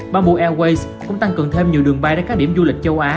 bamboo airways cũng tăng cường thêm nhiều đường bay đến các điểm du lịch châu á